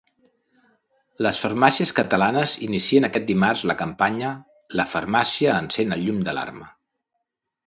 Les farmàcies catalanes inicien aquest dimarts la campanya “La farmàcia encén el llum d'alarma”.